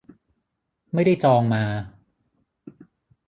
ไม่ได้จองมา